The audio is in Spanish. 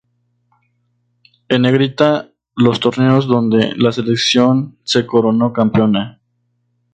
En negrita los torneos donde la selección se coronó campeona.